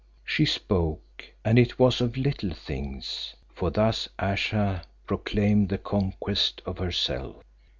She spoke, and it was of little things, for thus Ayesha proclaimed the conquest of herself.